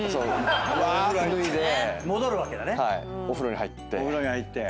お風呂に入って。